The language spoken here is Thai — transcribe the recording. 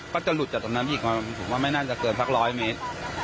ก็จะหลุดจากตรงนั้นอีกผมว่าไม่น่าจะเกินสักร้อยเมตร